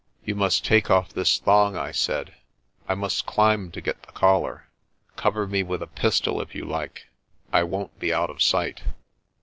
"You must take off this thong," I said. "I must climb to get the collar. Cover me with a pistol if you like. I won't be out of sight."